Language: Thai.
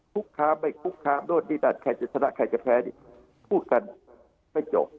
คุกค้าไม่คุกคามโน่นนี่นั่นใครจะชนะใครจะแพ้นี่พูดกันไม่จบ